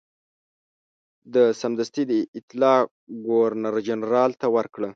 ده سمدستي دا اطلاع ګورنرجنرال ته ورکړه.